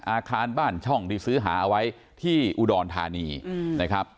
อาคารบ้านช่องที่ซื้อหาเอาไว้ที่อุดรธานีนะครับ